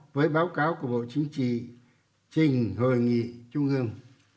với báo cáo của bộ chính trị trình hội nghị trung ương